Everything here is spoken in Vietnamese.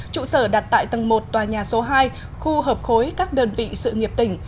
trụ sở đặt tại tầng một tòa nhà số hai khu hợp khối các đơn vị sự nghiệp tỉnh